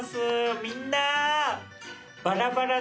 みんな！